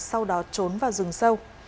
sau đó trốn vào rừng sâu